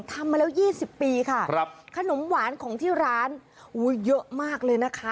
ทำมาแล้ว๒๐ปีค่ะขนมหวานของที่ร้านเยอะมากเลยนะคะ